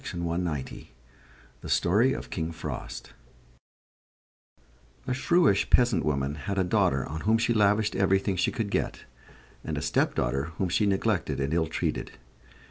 THE STORY OF KING FROST A shrewish peasant woman had a daughter on whom she lavished everything she could get, and a stepdaughter whom she neglected and ill treated.